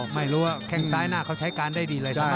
ไม่รู้แค่งซ้ายหน้าใช้การได้ดีละ